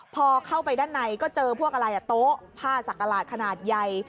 พอเข้าไปด้านในก็เจอพวกอะไรโต๊ะผ้าสักกระหลาดขนาดใหญ่